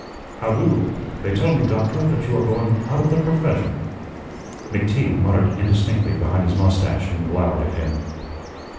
"How'do? They tell me, Doctor, that you are going out of the profession." McTeague muttered indistinctly behind his mustache and glowered at him.